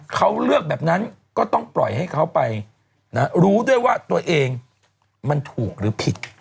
เขาเลือกแบบนั้นก็ต้องปล่อยให้เขาไปนะรู้ด้วยว่าตัวเองมันถูกหรือผิด